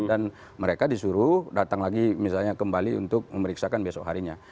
mereka disuruh datang lagi misalnya kembali untuk memeriksakan besok harinya